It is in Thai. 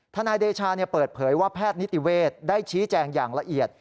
นายเดชาเปิดเผยว่าแพทย์นิติเวศได้ชี้แจงอย่างละเอียด